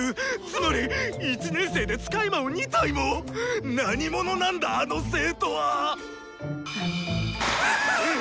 つまり１年生で使い魔を２体も⁉何者なんだあの生徒は⁉うう！